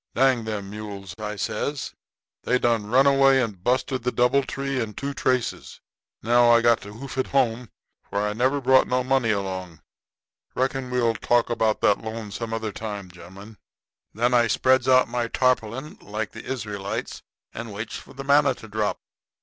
'Dang them mules,' I says; 'they done run away and busted the doubletree and two traces. Now I got to hoof it home, for I never brought no money along. Reckon we'll talk about that loan some other time, gen'lemen.' "Then I spreads out my tarpaulin, like the Israelites, and waits for the manna to drop.